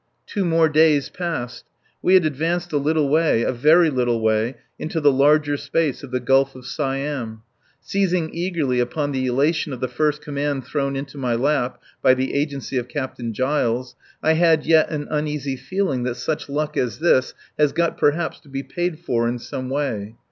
Two more days passed. We had advanced a little way a very little way into the larger space of the Gulf of Siam. Seizing eagerly upon the elation of the first command thrown into my lap, by the agency of Captain Giles, I had yet an uneasy feeling that such luck as this has got perhaps to be paid for in some way.